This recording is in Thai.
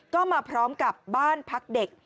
ก็มาพร้อมกับบ้านพักเด็ก